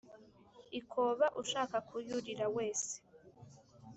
ikoba ushaka kuyurira wese.